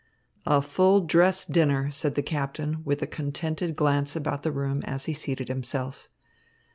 "A full dress dinner," said the captain with a contented glance about the room as he seated himself.